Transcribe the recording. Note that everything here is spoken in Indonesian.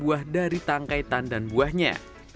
mereka memotong buah dari tangkaitan dan buahnya